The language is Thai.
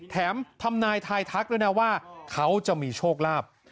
ทำนายทายทักด้วยนะว่าเขาจะมีโชคลาภ